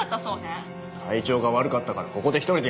体調が悪かったからここで１人で休んでたんだよ！